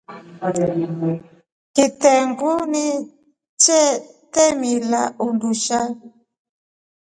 Kitengu ni che tamilia undusha.